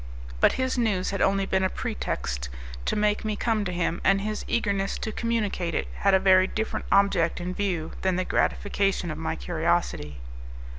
But his news had only been a pretext to make me come to him, and his eagerness to communicate it had a very different object in view than the gratification of my curiosity.